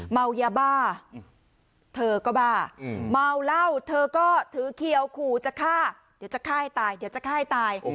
เมายาบ้าเธอก็บ้าเมาเหล้าเธอก็ถือเขียวขู่จะฆ่าเดี๋ยวจะฆ่าให้ตายเดี๋ยวจะฆ่าให้ตาย